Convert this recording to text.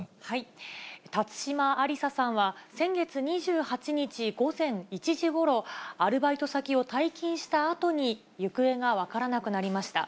辰島ありささんは、先月２８日午前１時ごろ、アルバイト先を退勤したあとに、行方が分からなくなりました。